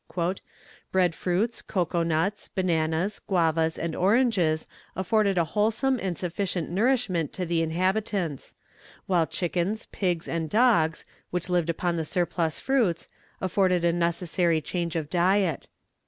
"Bread fruits, cocoa nuts, bananas, guavas, and oranges afforded a wholesome and sufficient nourishment to the inhabitants; while chickens, pigs, and dogs, which lived upon the surplus fruits, afforded the necessary change of diet.